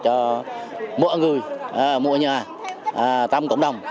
cho mỗi người mỗi nhà tăm cộng đồng